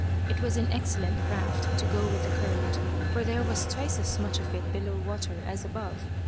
It was an excellent craft to go with the current, for there was twice as much of it below water as above.